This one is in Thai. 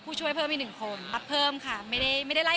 ผู้ช่วยเพิ่มที่กระจายลูกถูกดูแล